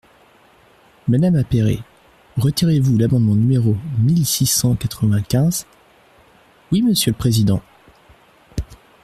Madame Appéré, retirez-vous l’amendement numéro mille six cent quatre-vingt-quinze ? Oui, monsieur le président.